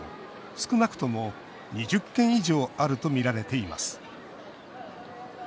少なくとも２０軒以上あるとみられています。